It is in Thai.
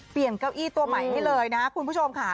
เก้าอี้ตัวใหม่ให้เลยนะคุณผู้ชมค่ะ